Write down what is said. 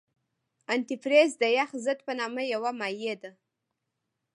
انتي فریز د یخ ضد په نامه یو مایع ده.